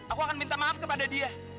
aku akan minta maaf kepada dia